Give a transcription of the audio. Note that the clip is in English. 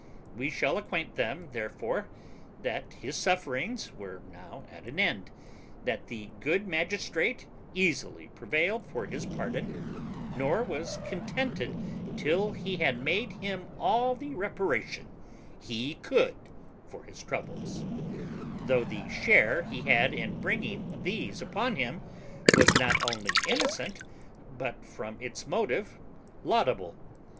We shall acquaint them, therefore, that his sufferings were now at an end; that the good magistrate easily prevailed for his pardon, nor was contented till he had made him all the reparation he could for his troubles, though the share he had in bringing these upon him was not only innocent but from its motive laudable.